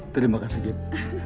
terima kasih gid